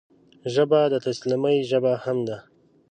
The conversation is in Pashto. ژبه د تسلیمۍ ژبه هم ده